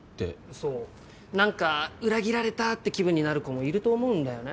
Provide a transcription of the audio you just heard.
そうなんか裏切られたって気分になる子もいると思うんだよね。